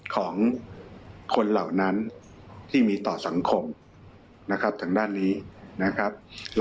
ของคนเหล่านั้นที่มีต่อสังคม